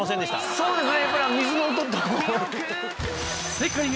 そうですね。